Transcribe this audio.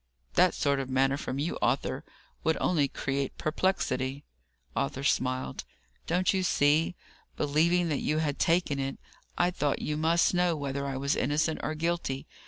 That sort of manner from you, Arthur, would only create perplexity." Arthur smiled. "Don't you see? believing that you had taken it, I thought you must know whether I was innocent or guilty.